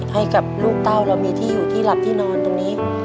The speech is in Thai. ให้กับลูกเต้าเรามีที่อยู่ที่หลับที่นอนตรงนี้